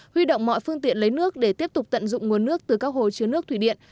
huy động mọi phương tiện lấy nước để tiếp tục tận dụng nguồn nước từ các hồ chứa nước thủy điện